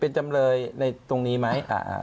เป็นจำเลยในตรงนี้ไหม